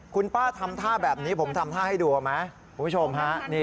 คุณป้าทำท่าแบบนี้ผมทำท่าให้ดูเอาไหมคุณผู้ชมฮะ